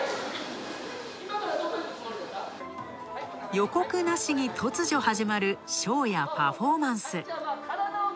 予告なしに突如始まる、ショーやパフォーマンス。